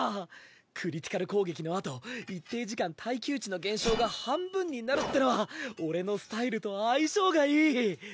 クリティカル攻撃のあと一定時間耐久値の減少が半分になるってのは俺のスタイルと相性がいい。おっ。